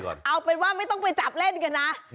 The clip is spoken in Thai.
ก็คือเธอนี่มีความเชี่ยวชาญชำนาญ